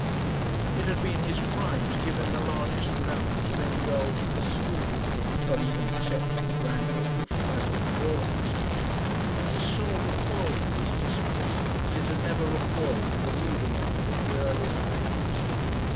It had been his pride to give them the largest allowance of any girls at the school, not even excepting the granddaughter of Fladden the Borax King, and his soul recoiled from this discipline as it had never recoiled from the ruder method of the earlier phase.